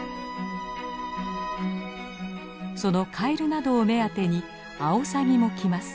そのカエルなどを目当てにアオサギも来ます。